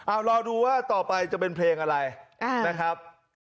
เอารอดูว่าต่อไปจะเป็นเพลงอะไรนะครับ